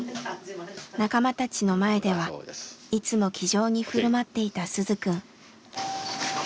仲間たちの前ではいつも気丈に振る舞っていた鈴くん。